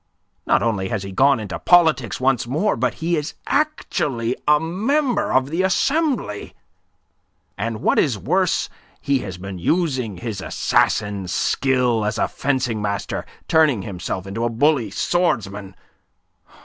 Not only has he gone into politics, once more, but he is actually a member of the Assembly, and what is worse he has been using his assassin's skill as a fencing master, turning himself into a bully swordsman.